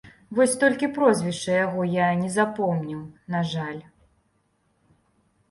Вось толькі прозвішча яго я не запомніў, на жаль.